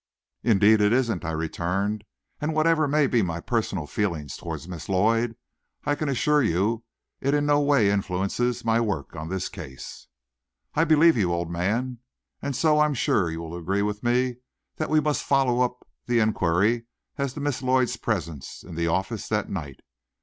"Indeed it isn't," I returned; "and whatever may be my personal feeling toward Miss Lloyd, I can assure you it in no way influences my work on this case." "I believe you, old man; and so I'm sure you will agree with me that we must follow up the inquiry as to Miss Lloyd's presence in the office that night.